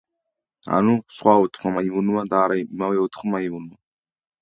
ანუ, სხვა ოთხმა მაიმუნმა და არა იმავე ოთხმა მაიმუნმა.